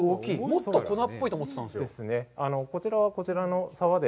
もっと粉っぽいと思ってたんですよ。